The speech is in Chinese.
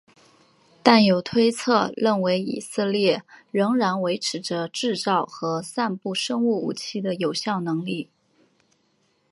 但有推测认为以色列仍然维持着制造和散布生物武器的有效能力。